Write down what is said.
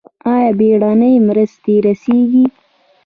آیا بیړنۍ مرستې رسیږي؟